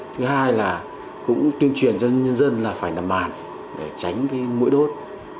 thứ hai là cũng tuyên truyền cho nhân dân là phải nằm màn để tránh cái mũi đốt